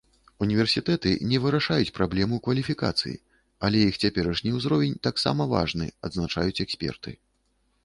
Універсітэты не вырашаюць праблему кваліфікацыі, але іх цяперашні ўзровень таксама важны, адзначаюць эксперты.